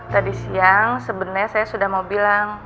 tadi siang sebenarnya saya sudah mau bilang